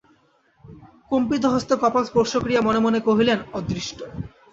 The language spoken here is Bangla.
কম্পিত হস্তে কপাল স্পর্শ করিয়া মনে মনে কহিলেন, অদৃষ্ট!